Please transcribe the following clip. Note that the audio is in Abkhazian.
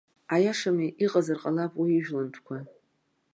Аиашами, иҟазар ҟалап уи ижәлантәқәа.